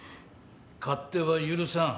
勝手は許さん。